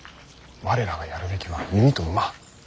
我らがやるべきは弓と馬。